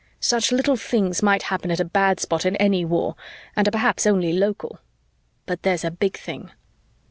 Such little things might happen at a bad spot in any war and are perhaps only local. But there's a big thing."